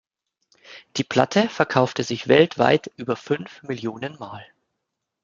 Die Platte verkaufte sich weltweit über fünf Millionen Mal.